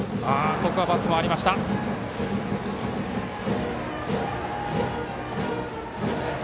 ここはバットが回りました。